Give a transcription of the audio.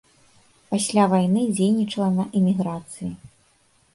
Пасля вайны дзейнічала на эміграцыі.